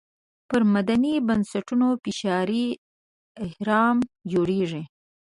پر مدني بنسټونو فشاري اهرم جوړېږي.